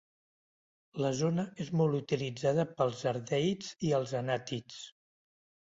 La zona és molt utilitzada pels ardeids i els anàtids.